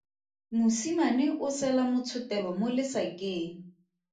Mosimane o sela motshotelo mo lesakeng.